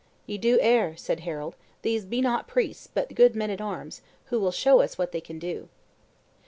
"Ye do err," said Harold; "these be not priests, but good men at arms, who will show us what they can do."